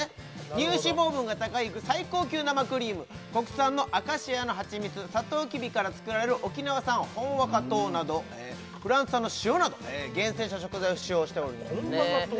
乳脂肪分が高い最高級生クリーム国産のアカシアのハチミツサトウキビから作られる沖縄産本和香糖などフランス産の塩など厳選した食材を使用してるんです本和香糖？